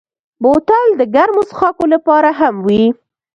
بوتل د ګرمو څښاکو لپاره هم وي.